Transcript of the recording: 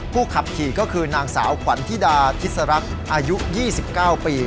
ขับขี่ก็คือนางสาวขวัญธิดาทิสรักษ์อายุ๒๙ปี